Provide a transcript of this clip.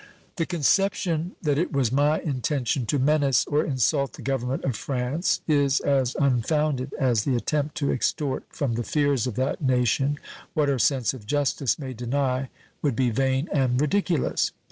The conception that it was my intention to menace or insult the Government of France is as unfounded as the attempt to extort from the fears of that nation what her sense of justice may deny would be vain and ridiculous.